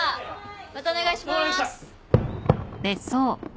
またお願いします！